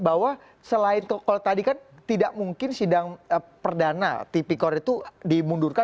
bahwa selain kalau tadi kan tidak mungkin sidang perdana tipikor itu dimundurkan